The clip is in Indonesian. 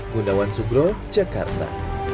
gundawan sugro jakarta